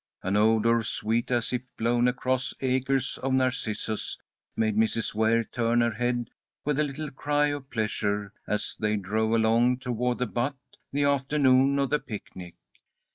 An odour, sweet as if blown across acres of narcissus, made Mrs. Ware turn her head with a little cry of pleasure as they drove along toward the butte the afternoon of the picnic.